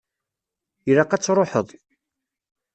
Ilaq ad tṛuḥeḍ.